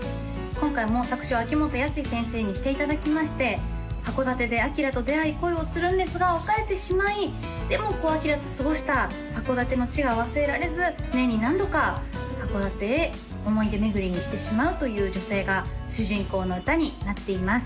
今回も作詞は秋元康先生にしていただきまして函館でアキラと出会い恋をするんですが別れてしまいでもアキラと過ごした函館の地が忘れられず年に何度か函館へ思い出巡りに来てしまうという女性が主人公の歌になっています